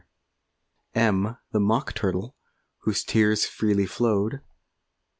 M, the Mock Turtle, whose tears freely flowed.